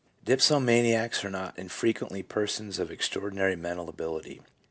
Dipsomaniacs are not infrequently persons of ex traordinary mental ability.